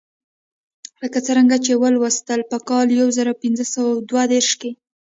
لکه څرنګه چې ولوستل په کال یو زر پنځه سوه دوه دېرش کې.